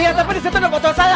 iya tapi disitu udah bocor saya